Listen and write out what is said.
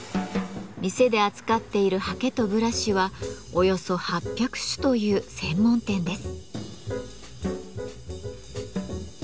店で扱っている刷毛とブラシはおよそ８００種という専門店です。